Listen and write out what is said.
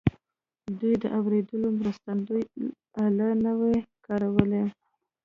دوی د اورېدو مرستندويي الې نه وې کارولې.